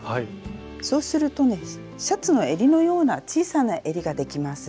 そうするとねシャツのえりのような小さなえりができます。